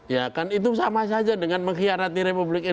ya kan itu sama saja dengan mengkhianati republik indonesia